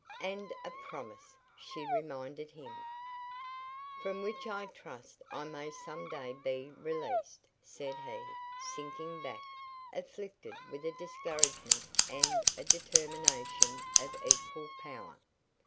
"And a promise," she reminded him. "From which I trust I may some day be released," said he, sinking back, afflicted with a discouragement and a determination of equal power.